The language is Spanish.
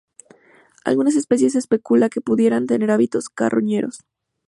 Algunas especies se especula que pudieran tener hábitos carroñeros.